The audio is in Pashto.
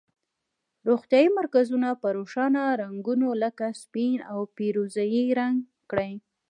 روغتیایي مرکزونه په روښانه رنګونو لکه سپین او پیروزه یي رنګ کړئ.